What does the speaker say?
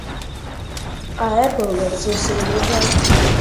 A Apple lançou seu novo iPhone.